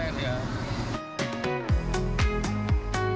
nggak enak mau nyacuk mau ngik